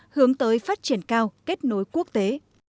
hướng tới phát triển cao kết nối quốc tế